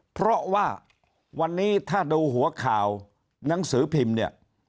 เพราะว่าวันนี้ถ้าดูหัวข่าวหนังสือพิมพ์เนี่ย